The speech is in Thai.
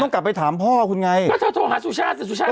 ต้องกลับไปถามพ่อคุณไงก็จะโทรหาสุชาติสุชาติ